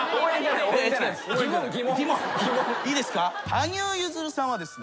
羽生結弦さんはですね